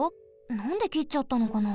なんできっちゃったのかな。